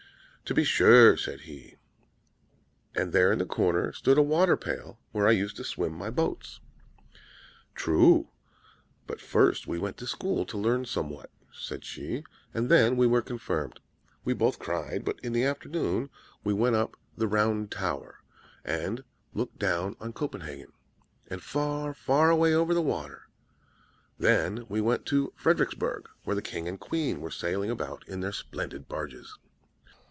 "'To be sure,' said he. 'And there in the corner stood a waterpail, where I used to swim my boats.' "'True; but first we went to school to learn somewhat,' said she; 'and then we were confirmed. We both cried; but in the afternoon we went up the Round Tower, and looked down on Copenhagen, and far, far away over the water; then we went to Friedericksberg, where the King and the Queen were sailing about in their splendid barges.'